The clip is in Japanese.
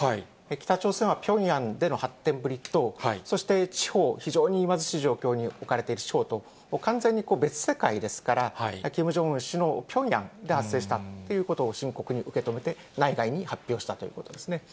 北朝鮮はピョンヤンでの発展ぶりと、そして地方、非常に貧しい状況に置かれている地方と、完全に別世界ですから、キム・ジョンウン氏のピョンヤンで発生したということを深刻に受け止めて、内外に発表したということですね。